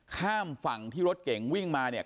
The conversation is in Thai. ข้ามฝั่งที่รถเก่งวิ่งมาเนี่ย